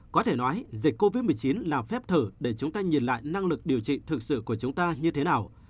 có thể nói dịch covid một mươi chín là phép thử để chúng ta nhìn lại năng lực điều trị thực sự của chúng ta như thế nào